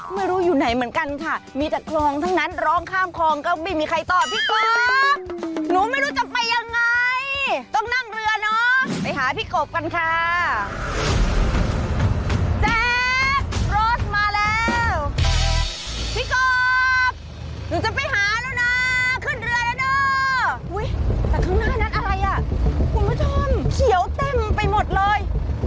เจ้น่านนั้นอะไรน่ะพวกผู้ชมเขียวเต็มไปหมดเลย